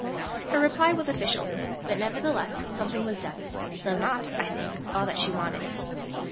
Her reply was official, but nevertheless something was done; though not, I think, all that she wanted.